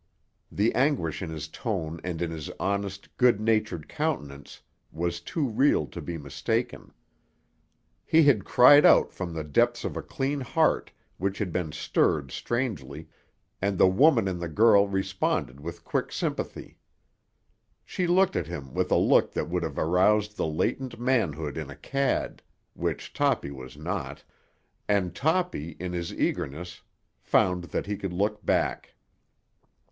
The anguish in his tone and in his honest, good natured countenance was too real to be mistaken. He had cried out from the depths of a clean heart which had been stirred strangely, and the woman in the girl responded with quick sympathy. She looked at him with a look that would have aroused the latent manhood in a cad—which Toppy was not—and Toppy, in his eagerness, found that he could look back.